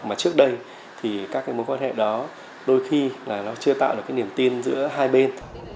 mà trước đây thì các cái mối quan hệ đó đôi khi là nó chưa tạo được cái niềm tin giữa hai bên